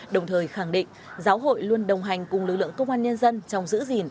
đồng thời khẳng định giáo hội luôn đồng hành cùng lực lượng công an nhân dân trong giữ gìn